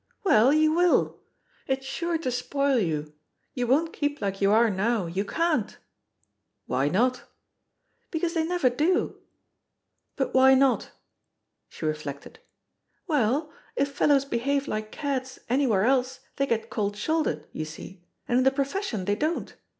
"Well, you will I it's sure to spoil you — ^you won't keep like you are now; you can't I" "Why not?" "Because they never do/* "But why not?" She reflected. "Well, if fellows behave like cads anywhere else they get cold shouldered, you see, and in the profession they don't.